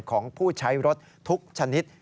ของผู้ใช้รถทุกชนิด